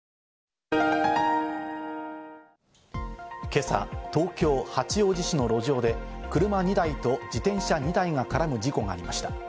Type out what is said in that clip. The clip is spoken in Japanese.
今朝、東京・八王子市の路上で、車２台と自転車２台が絡む事故がありました。